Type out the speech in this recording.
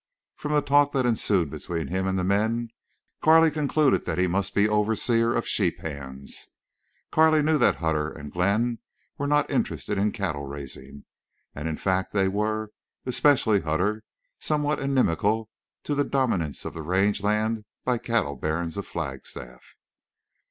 From the talk that ensued between him and the men, Carley concluded that he must be overseer of the sheep hands. Carley knew that Hutter and Glenn were not interested in cattle raising. And in fact they were, especially Hutter, somewhat inimical to the dominance of the range land by cattle barons of Flagstaff.